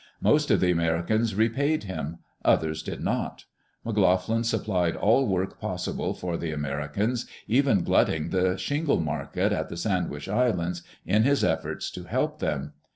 Most of the Americans repaid him; others did not. McLoughlin supplied all work possible for the Americans, even glutting the shingle market at the Sandwich Islands in his ef forts to help them.